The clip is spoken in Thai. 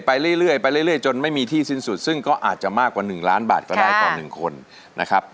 ไปเรื่อยจนไม่มีที่สิ้นสุดซึ่งก็อาจจะมากกว่าหนึ่งล้านบาทก็ได้ต่อหนึ่งคนนะครับ